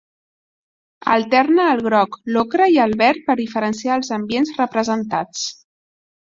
Alterna el groc, l'ocre i el verd per diferenciar els ambients representats.